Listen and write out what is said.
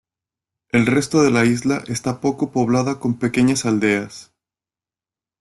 El resto de la isla está poco poblada con pequeñas aldeas.